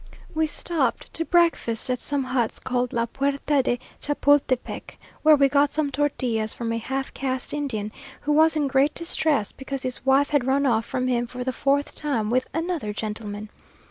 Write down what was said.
We stopped to breakfast at some huts called La Puerta de Chapultepec, where we got some tortillas from a halfcaste Indian, who was in great distress, because his wife had run off from him for the fourth time with "another gentleman!"